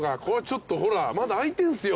ちょっとほらまだ空いてんすよ。